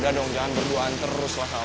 udah dong jangan berduaan terus lah kamu